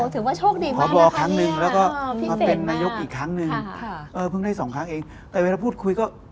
ถือว่าโชคดีมากพบครั้งหนึ่งแล้วก็มาเป็นนายกอีกครั้งหนึ่งเพิ่งได้สองครั้งเองแต่เวลาพูดคุยก็